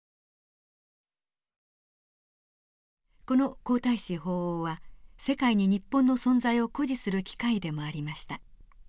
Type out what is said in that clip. この皇太子訪欧は世界に日本の存在を誇示する機会でもありました。